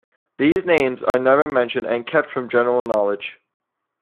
These names are never mentioned and kept from general knowledge.